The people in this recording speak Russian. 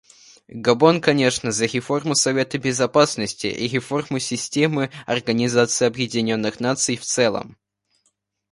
Габон, кончено, за реформу Совета Безопасности и реформу системы Организации Объединенных Наций в целом.